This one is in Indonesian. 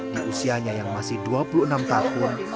di usianya yang masih dua puluh enam tahun